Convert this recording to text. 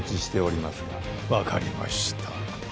わかりました。